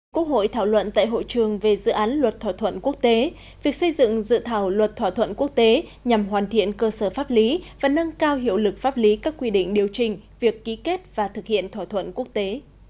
quốc hội thảo luận tại hội trường về dự án luật thỏa thuận quốc tế việc xây dựng dự thảo luật thỏa thuận quốc tế nhằm hoàn thiện cơ sở pháp lý và nâng cao hiệu lực pháp lý các quy định điều trình việc ký kết và thực hiện thỏa thuận quốc tế